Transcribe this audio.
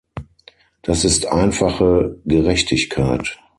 Das ist einfache Gerechtigkeit.